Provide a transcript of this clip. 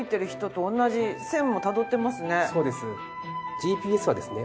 ＧＰＳはですね